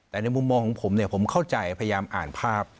แต่ในมุมมองของผมเนี่ยผมเข้าใจพยายามอ่านภาพ